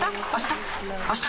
あした？